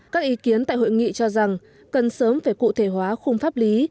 các ý kiến tại hội nghị cho rằng cần sớm phải cụ thể hóa khung pháp lý